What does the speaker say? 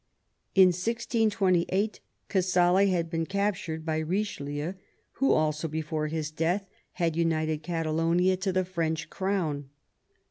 In 1 628 Casale had been captured by Richelieu, who also before his death had united Catalonia to the French crown.